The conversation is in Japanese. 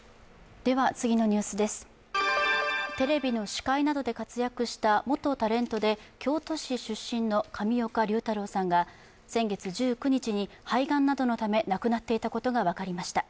テレビの司会などで活躍した元タレントで京都市出身の上岡龍太郎さんが先月１９日に肺がんなどのため亡くなっていたことが分かりました。